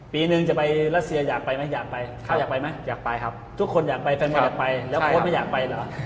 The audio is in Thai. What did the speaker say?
ปีนึงจะไปรัสเซียอยากไปไหมอยากไปทุกคนอยากไปแฟนบอลอยากไปแล้วโพสต์ไม่อยากไปเหรอ